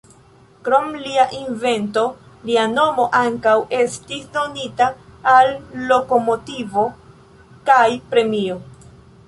Krom lia invento, lia nomo ankaŭ estis donita al lokomotivo kaj premio.